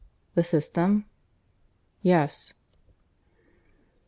"The system?" "Yes."